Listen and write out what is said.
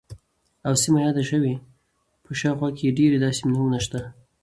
او سیمه یاده شوې، په شاوخوا کې یې ډیر داسې نومونه شته،